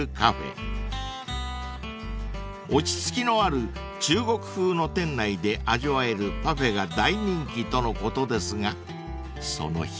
［落ち着きのある中国風の店内で味わえるパフェが大人気とのことですがその秘密は？］